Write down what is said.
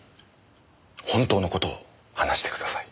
本当の事を話してください。